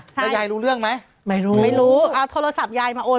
แล้วยายรู้เรื่องไหมไม่รู้ไม่รู้เอาโทรศัพท์ยายมาโอน